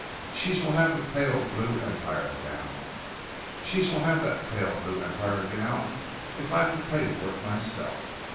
She shall have the pale blue Empire gown—she shall have the pale blue Empire gown if I have to pay for it myself!